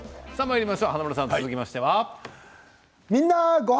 華丸さん、続きましては。